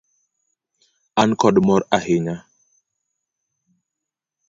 An kod mor ahinya.